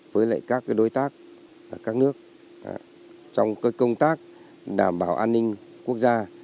với các đối tác các nước trong công tác đảm bảo an ninh quốc gia